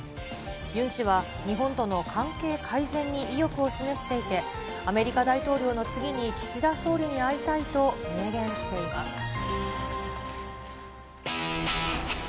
ユン氏は日本との関係改善に意欲を示していて、アメリカ大統領の次に、岸田総理に会いたいと明言しています。